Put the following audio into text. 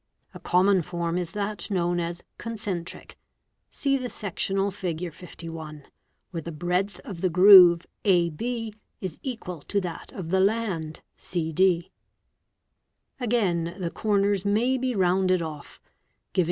A common form is that known as— Cc "concentric," see the sectional Fig. 51, where the | breadth of the groove a b is equal to that of the land, —| cd. Again the corners may be rounded off, giving Big.